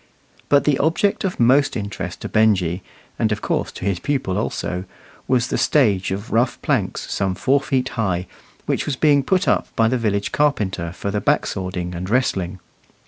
But the object of most interest to Benjy, and of course to his pupil also, was the stage of rough planks some four feet high, which was being put up by the village carpenter for the back swording and wrestling.